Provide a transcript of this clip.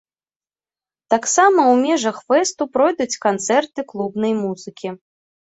Таксама у межах фэсту пройдуць канцэрты клубнай музыкі.